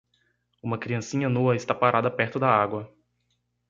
Uma criancinha nua está parada perto da água.